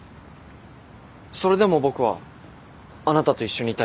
それでも僕はあなたと一緒にいたいです。